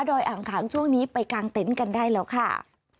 อ่างขางช่วงนี้ไปกางเต็นต์กันได้แล้วค่ะ